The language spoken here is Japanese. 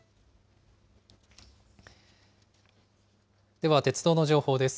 では鉄道の情報です。